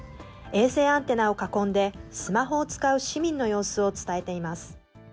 衛星アンテナを囲んでスマホを使う市民の様子を伝えています。